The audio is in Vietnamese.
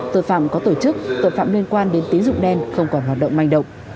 tội phạm có tổ chức tội phạm liên quan đến tín dụng đen không còn hoạt động manh động